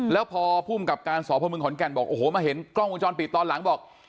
แล้วพอภูมิกับการสพเมืองขอนแก่นบอกโอ้โหมาเห็นกล้องวงจรปิดตอนหลังบอก